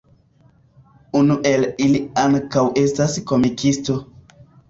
Unu el ili ankaŭ estas komikisto.